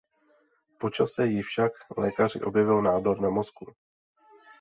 Po čase ji však lékaři objevili nádor na mozku.